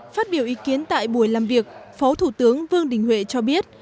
phát biểu ý kiến tại buổi làm việc phó thủ tướng vương đình huệ cho biết